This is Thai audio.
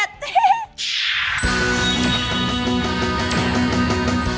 ติดเลส